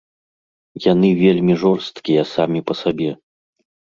Яны вельмі жорсткія самі па сабе.